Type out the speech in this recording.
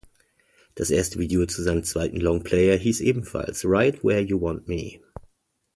Das erste Video zu seinem zweiten Longplayer hieß ebenfalls "Right Where You Want Me".